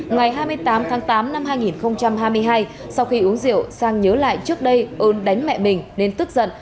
ngày hai mươi tám tháng tám năm hai nghìn hai mươi hai sau khi uống rượu sang nhớ lại trước đây ôn đánh mẹ mình nên tức giận